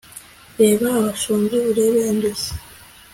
reba abashonji, ubere indushyi